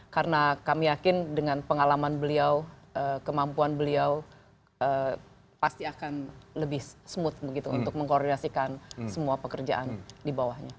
karena kami yakin dengan pengalaman beliau kemampuan beliau pasti akan lebih smooth begitu untuk mengkoordinasikan semua pekerjaan di bawahnya